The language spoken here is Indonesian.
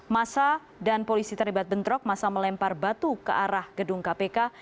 masa dan polisi terlibat bentrok masa melempar batu ke arah gedung kpk